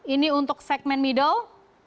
ini untuk segmen middle